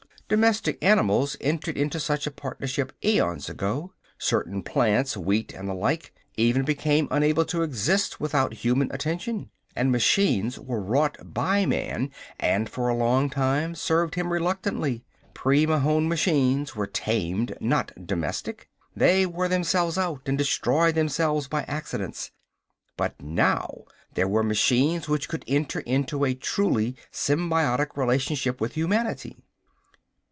Domestic animals entered into such a partnership aeons ago. Certain plants wheat and the like even became unable to exist without human attention. And machines were wrought by man and for a long time served him reluctantly. Pre Mahon machines were tamed, not domestic. They wore themselves out and destroyed themselves by accidents. But now there were machines which could enter into a truly symbiotic relationship with humanity.